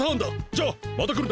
じゃあまたくるな！